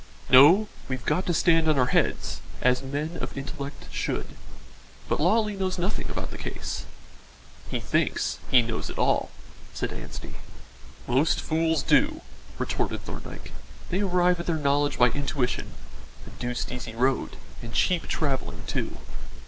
"No, we've got to stand on our heads, as men of intellect should. But Lawley knows nothing about the case." "He thinks he knows it all," said Anstey. "Most fools do," retorted Thorndyke. "They arrive at their knowledge by intuition a deuced easy road and cheap travelling too.